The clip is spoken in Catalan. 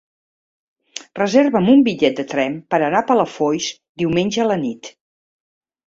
Reserva'm un bitllet de tren per anar a Palafolls diumenge a la nit.